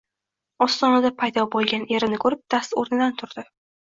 Ostonada paydo bo`lgan erini ko`rib dast o`rnidan turdi